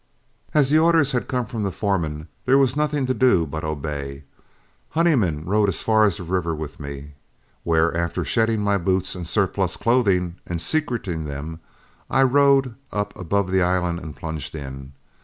As the orders had come from the foreman, there was nothing to do but obey. Honeyman rode as far as the river with me, where after shedding my boots and surplus clothing and secreting them, I rode up above the island and plunged in.